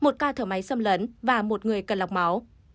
một ca thở máy xâm lấn và một người cần lọc máu